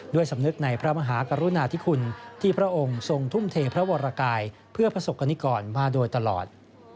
สำนึกในพระมหากรุณาธิคุณที่พระองค์ทรงทุ่มเทพระวรกายเพื่อประสบกรณิกรมาโดยตลอด